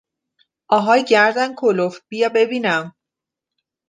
آهای گردن کلفت بیا ببینم!